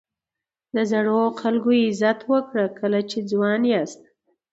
د زړو خلکو عزت وکړه کله چې ځوان یاست.